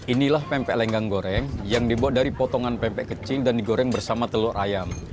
inilah pempek lenggang goreng yang dibuat dari potongan pempek kecil dan digoreng bersama telur ayam